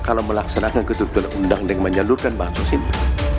apa melaksanakan ketentuan undang yang menyalurkan bansos ini